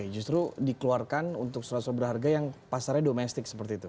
justru dikeluarkan untuk surat surat berharga yang pasarnya domestik seperti itu